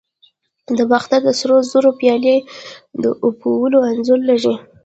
د باختر د سرو زرو پیالې د اپولو انځور لري